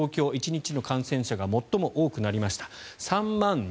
１日の感染者が最も多くなりました。